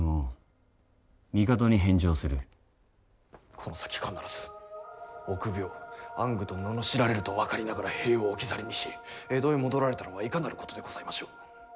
「この先必ず臆病暗愚と罵られると分かりながら兵を置き去りにし江戸へ戻られたのはいかなることでございましょう。